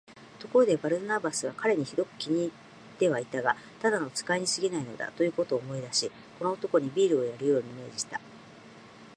ところで、バルナバスは彼にひどく気に入ってはいたが、ただの使いにすぎないのだ、ということを思い出し、この男にビールをやるように命じた。